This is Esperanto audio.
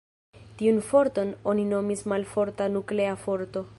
Tiun forton oni nomis malforta nuklea forto.